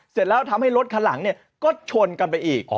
เสร็จแล้วทำให้รถคันหลังก็ชนกันไปอีก